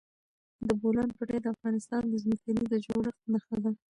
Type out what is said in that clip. د بولان پټي د افغانستان د ځمکې د جوړښت نښه ده.